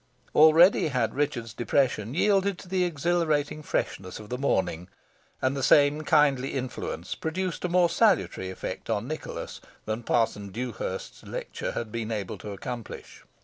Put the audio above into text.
Already had Richard's depression yielded to the exhilarating freshness of the morning, and the same kindly influence produced a more salutary effect on Nicholas than Parson Dewhurst's lecture had been able to accomplish.